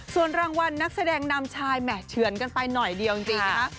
ส่วนรางวัลนักแสดงนำชายแห่เฉือนกันไปหน่อยเดียวจริงนะคะ